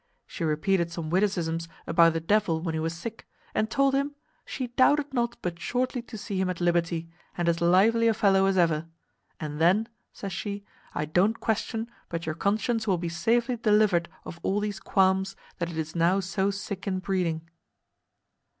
She repeated some witticisms about the devil when he was sick, and told him, "She doubted not but shortly to see him at liberty, and as lively a fellow as ever; and then," says she, "I don't question but your conscience will be safely delivered of all these qualms that it is now so sick in breeding."